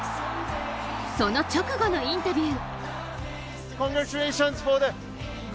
その直後のインタビュー。